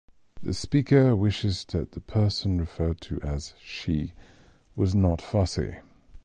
The speaker wishes that the person referred to as "she" was not fussy.